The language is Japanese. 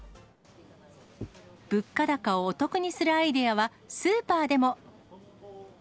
物価高をお得にするアイデアは、スーパーでも。